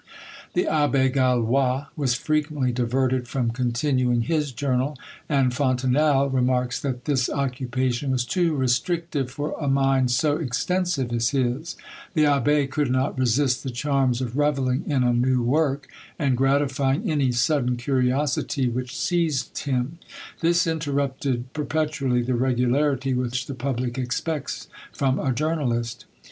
The Abbé Gallois was frequently diverted from continuing his journal, and Fontenelle remarks, that this occupation was too restrictive for a mind so extensive as his; the Abbé could not resist the charms of revelling in a new work, and gratifying any sudden curiosity which seized him; this interrupted perpetually the regularity which the public expects from a journalist.